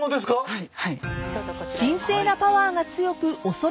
はい。